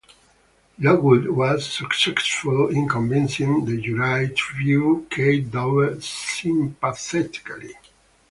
Lockwood was successful in convincing the jury to view Kate Dover sympathetically.